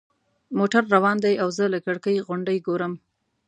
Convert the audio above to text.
موټر روان دی او زه له کړکۍ غونډۍ ګورم.